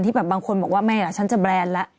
แบบบางคนบอกว่าแม่ฉันจะแบรนด์แล้ว